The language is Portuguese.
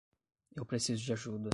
Eu preciso de ajuda.